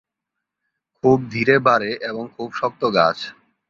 খুব ধীরে বাড়ে এবং খুব শক্ত গাছ।